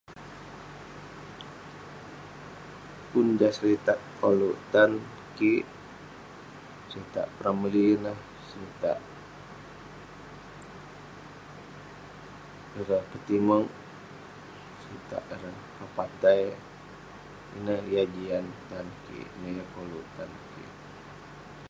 pun jah seritak koluk tan kik, seritak p ramlee ineh, seritak ireh petimek, seritak ireh pepatai, ineh yah jian tan kik, ineh yah koluk tan kik